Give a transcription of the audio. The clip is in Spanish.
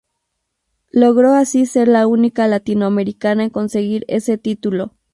Logró así ser la única latinoamericana en conseguir ese título.